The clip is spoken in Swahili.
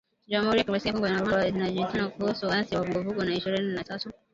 Jamuhuri ya Kidemokrasia ya Kongo na Rwanda zajibizana kuhusu waasi wa vuguvugu ya ishirini na tatu